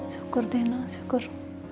syukur deh no syukur